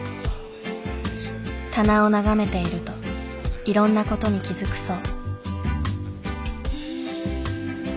棚を眺めているといろんな事に気付くそう。